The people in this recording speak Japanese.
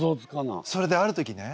それである時ね